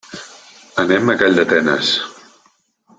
Anem a Calldetenes.